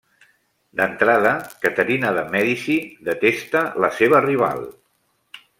D'entrada, Caterina de Mèdici detesta la seva rival.